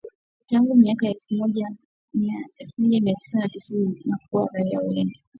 tangu miaka ya elfu moja mia tisa na tisini na kuua raia wengi